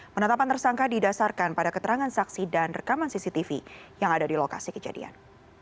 penetapan tersangka didasarkan pada keterangan saksi dan rekaman cctv yang ada di lokasi kejadian